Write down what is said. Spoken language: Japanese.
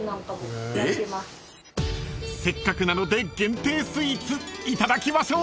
［せっかくなので限定スイーツいただきましょう］